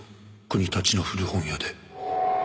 国立の古本屋で」